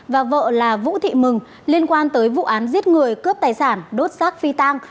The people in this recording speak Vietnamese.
và vợ là vũ thị mừng liên quan tới vụ án giết người cướp tài sản đốt xác phi tang